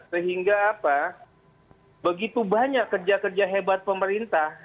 sehingga apa begitu banyak kerja kerja hebat pemerintah